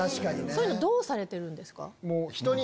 そういうのどうされてるんですか？